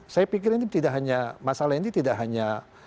saya pikir ini tidak hanya masalah ini tidak hanya